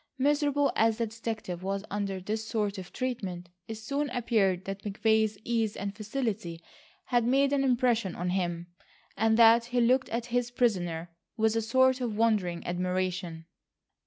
Miserable as the detective was under this sort of treatment, it soon appeared that McVay's ease and facility had made an impression on him, and that he looked at his prisoner with a sort of wondering admiration.